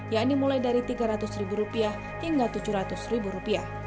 yakni mulai dari rp tiga ratus hingga rp tujuh ratus